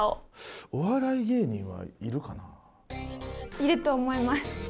要ると思います！